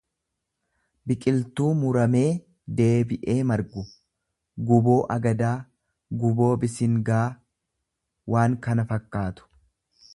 biqiltuu murameee deebi'ee margu; guboo agadaa, guboo bisingaa, waan kana fakkaatu